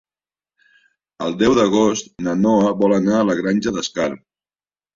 El deu d'agost na Noa vol anar a la Granja d'Escarp.